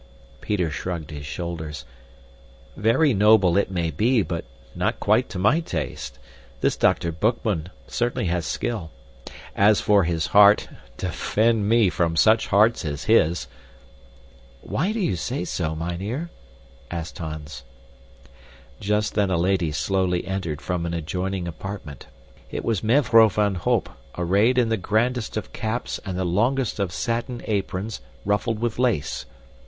Peter shrugged his shoulders. "Very noble it may be, but not quite to my taste. This Dr. Boekman certainly has skill. As for his heart defend me from such hearts as his!" "Why do you say so, mynheer?" asked Hans. Just then a lady slowly entered from an adjoining apartment. It was Mevrouw van Holp arrayed in the grandest of caps and the longest of satin aprons ruffled with lace.